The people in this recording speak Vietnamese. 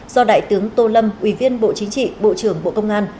do đại tướng tô lâm ủy viên bộ chính trị bộ trưởng bộ công an